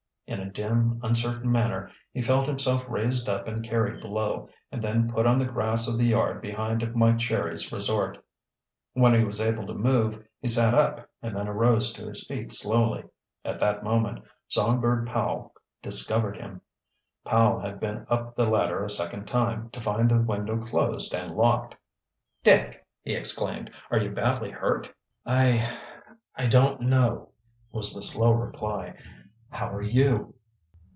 In a dim, uncertain manner he felt himself raised up and carried below, and then put on the grass of the yard behind Mike Sherry's resort. When he was able to move he sat up and then arose to his feet slowly. At that moment Songbird Powell discovered him. Powell had been up the ladder a second time, to find the window closed and locked. "Dick!" he exclaimed. "Are you badly hurt?" "I I don't know," was the slow reply. "How are you?"